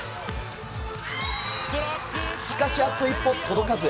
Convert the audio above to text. しかし、あと一歩届かず。